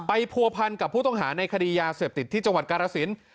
ผัวพันกับผู้ต้องหาในคดียาเสพติดที่จังหวัดกาลสิน